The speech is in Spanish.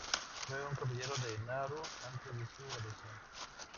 Fue un compañero de Naru antes de su graduación.